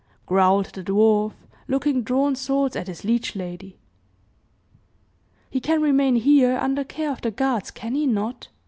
growled the dwarf, looking drawn swords at his liege lady. "He can remain here under care of the guards, can he not?"